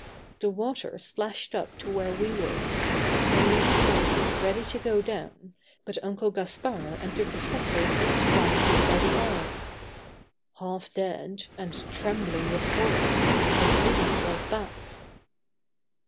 The water splashed up to where we were. I leaned forward ready to go down, but Uncle Gaspard and the professor each grasped me by the arm. Half dead, and trembling with horror, I drew myself back.